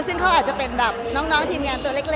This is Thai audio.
ซึ่งเขาอาจจะเป็นแบบน้องทีมงานตัวเล็ก